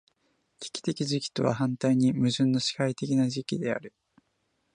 危機的時期とは反対に矛盾の支配的な時期である。